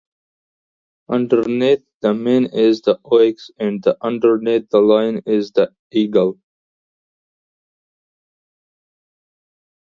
Underneath the man is the ox and underneath the lion is the eagle.